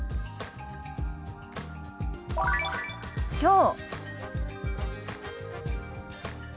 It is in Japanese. きょう。